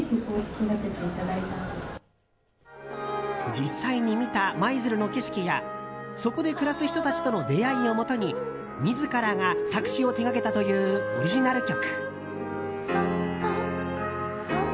実際に見た舞鶴の景色やそこで暮らす人たちとの出会いをもとに自らが作詞を手掛けたというオリジナル曲。